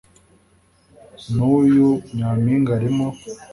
n’uyu nyampinga arimo